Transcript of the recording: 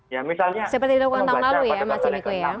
seperti dilakukan tahun lalu ya pak yemiko ya